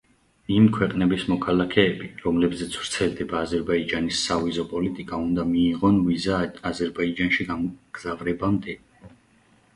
იმ ქვეყნების მოქალაქეები, რომლებზეც ვრცელდება აზერბაიჯანის სავიზო პოლიტიკა, უნდა მიიღონ ვიზა აზერბაიჯანში გამგზავრებამდე.